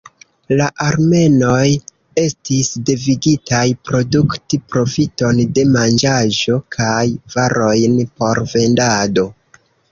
La armenoj estis devigitaj produkti profiton de manĝaĵo kaj varojn por vendado.